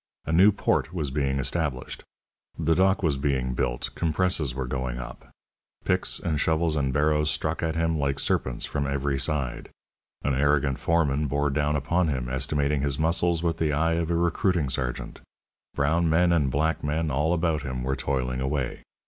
A new port was being established; the dock was being built, compresses were going up; picks and shovels and barrows struck at him like serpents from every side. An arrogant foreman bore down upon him, estimating his muscles with the eye of a recruiting sergeant. Brown men and black men all about him were toiling away.